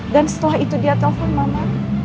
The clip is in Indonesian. dan setelah itu dia telepon mama